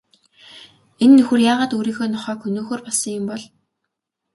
Энэ нөхөр яагаад өөрийнхөө нохойг хөнөөхөөр болсон юм бол?